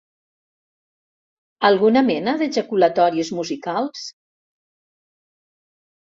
¿Alguna mena de jaculatòries musicals?